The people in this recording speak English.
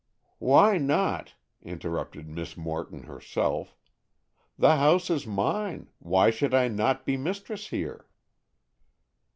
"Why not?" interrupted Miss Morton, herself. "The house is mine; why should I not be mistress here?"